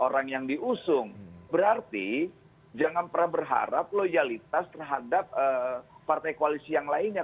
orang yang diusung berarti jangan pernah berharap loyalitas terhadap partai koalisi yang lainnya